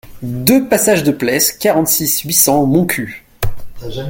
deux passage de Pleysse, quarante-six, huit cents, Montcuq